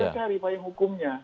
kita cari payung hukumnya